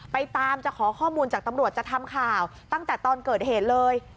ไปตามจะขอข้อมูลจากตำรวจจะทำข่าวตั้งแต่ตอนเกิดเหตุเลย